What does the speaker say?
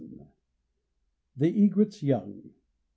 ] THE EGRET'S YOUNG.